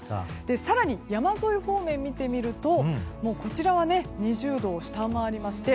更に山沿い方面を見てみるとこちらは２０度を下回りまして